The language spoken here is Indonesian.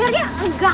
kejap kejap kejap